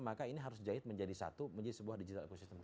maka ini harus dijahit menjadi satu menjadi sebuah digital ecosystem tersebut